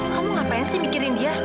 kamu ngapain sih mikirin dia